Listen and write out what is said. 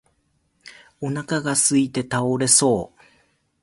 お腹がすいて倒れそう